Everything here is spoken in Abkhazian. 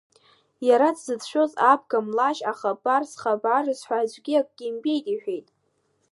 Иара дзыцәшәоз абга млашь ахабар зхабарыз ҳәа аӡәгьы акгьы имбеит, — иҳәеит.